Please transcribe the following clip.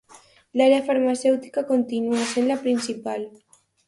L'àrea farmacèutica continua sent la principal.